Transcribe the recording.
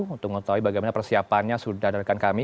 untuk mengetahui bagaimana persiapannya sudah diadakan kami